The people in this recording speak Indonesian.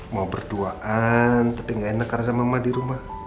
mau berduaan tapi gak enak karena ada mama di rumah